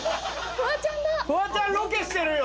フワちゃんロケしてるよ。